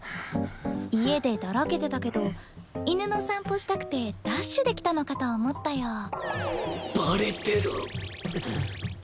家でだらけてたけど犬の散歩したくてダッシュで来たのかと思ったよ。